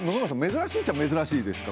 珍しいっちゃ珍しいですか？